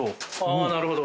ああなるほど。